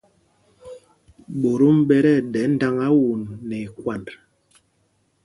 Ɓotom ɓɛ tí ɛɗɛ ndáŋá won nɛ ikwand.